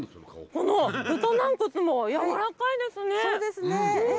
この豚軟骨もやわらかいですね。